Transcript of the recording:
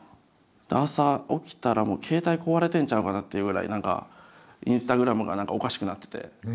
朝起きたらもう携帯壊れてんちゃうかなっていうぐらい何かインスタグラムが何かおかしくなってて。